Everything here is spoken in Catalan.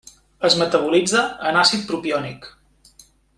Es metabolitza en àcid propiònic.